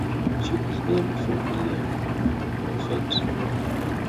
She was named for William Moffett.